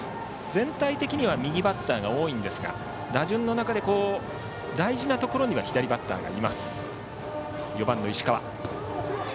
全体的には右バッターが多いんですが打順の中で大事なところには左バッターがいます。